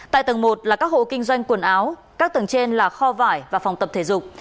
tại tầng một là các hộ kinh doanh quần áo các tầng trên là kho vải và phòng tập thể dục